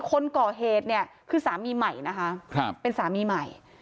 คนก่อเหตุเนี่ยคือสามีใหม่นะคะเป็นสามีใหม่